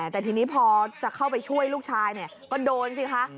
แต่ทีนี้พอจะเข้าไปช่วยลูกชายก็โดนสิคะ